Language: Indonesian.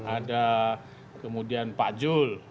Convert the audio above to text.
ada kemudian pak jul